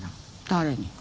誰に？